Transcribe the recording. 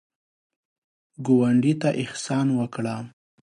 ګاونډي ته احسان وکړه